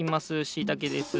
しいたけです。